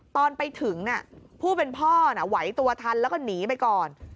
ตอนไปถึงผู้เป็นพ่อไหวตัวทันแล้วก็หนีไปก่อน